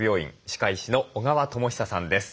歯科医師の小川智久さんです。